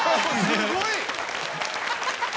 すごい！